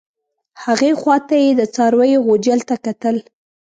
هغې خوا ته یې د څارویو غوجل ته کتل.